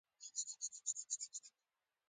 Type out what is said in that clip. بایسکل له ډیر ځای نه نیسي.